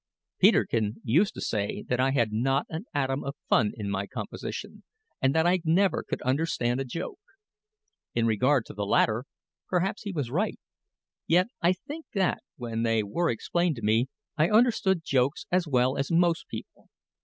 Peterkin used to say that I had not an atom of fun in my composition, and that I never could understand a joke. In regard to the latter, perhaps he was right; yet I think that, when they were explained to me, I understood jokes as well as most people.